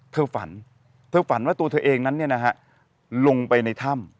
เธอฝันเธอฝันว่าตัวเธอเองนั้นลงไปในถ้ำ